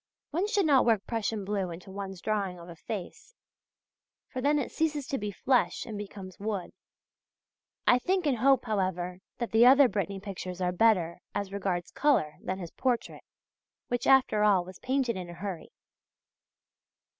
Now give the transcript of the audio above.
One should not work Prussian blue into one's drawing of a face; for then it ceases to be flesh and becomes wood. I think and hope, however, that the other Brittany pictures are better, as regards colour, than this portrait, which after all was painted in a hurry.